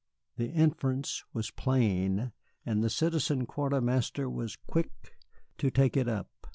The inference was plain, and the Citizen Quartermaster was quick to take it up.